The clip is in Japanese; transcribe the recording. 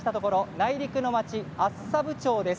内陸の町厚沢部町です。